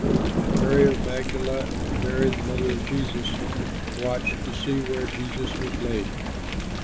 And Mary of Magdala and Mary the mother of Joses, watched to see where Jesus was laid.